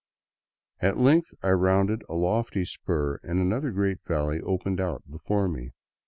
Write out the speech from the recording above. At length I rounded a lofty spur, and another great valley opened out before me.